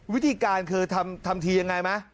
วิธีการคือทำทียังไงไหม